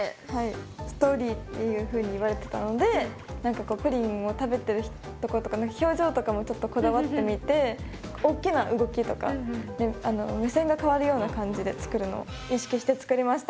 ストーリーっていうふうに言われてたのでぷりんを食べてるとことかの表情とかもちょっとこだわってみて大きな動きとか目線が変わるような感じで作るのを意識して作りました。